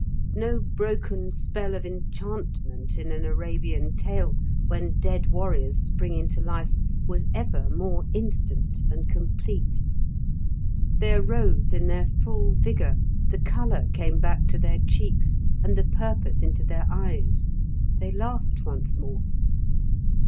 No broken spell of enchantment in an Arabian tale when dead warriors spring into life was ever more instant and complete. They arose in their full vigour; the colour came back to their cheeks and the purpose into their eyes. They laughed once more.